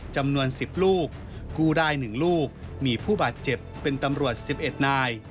จำนวน๑๐ลูกกู้ได้๑ลูกมีผู้บาดเจ็บเป็นตำรวจ๑๑นาย